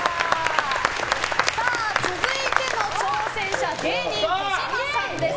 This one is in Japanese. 続いての挑戦者は芸人の児嶋さんです。